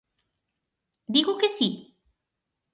Digo que si?